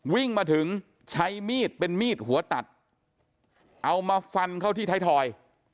วิ่งมาถึงใช้มีดเป็นมีดหัวตัดเอามาฟันเข้าที่ไทยทอย